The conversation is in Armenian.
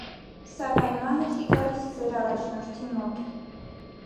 Սակայն մահը չի գալիս ծեր առաջնորդի մոտ։